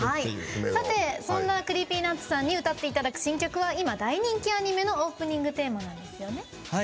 そんなＣｒｅｅｐｙＮｕｔｓさんに歌っていただく曲は今、大人気のアニメのオープニングテーマなんですよね。